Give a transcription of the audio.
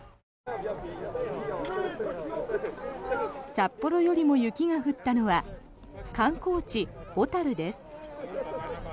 札幌よりも雪が降ったのは観光地・小樽です。